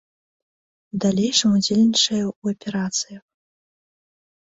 У далейшым ўдзельнічала ў і аперацыях.